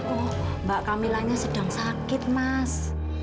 oh mbak camillanya sedang sakit mas